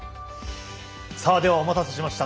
さあ、ではお待たせしました。